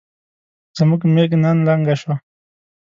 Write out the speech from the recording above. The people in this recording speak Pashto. زموږ ميږ نن لنګه شوه